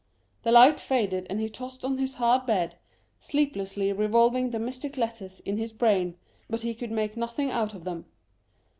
The light faded, and he tossed on his hard bed, sleeplessly revolving the mystic letters in his brain, but he could make nothing out of them.